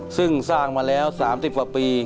ซึ่งสร้างมาแล้ว๓๐กว่าปี